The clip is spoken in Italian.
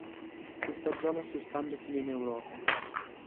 Questa zona si espande fino in Europa.